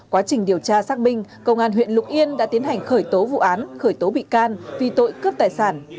quá trình điều tra xác minh công an huyện lục yên đã tiến hành khởi tố vụ án khởi tố bị can vì tội cướp tài sản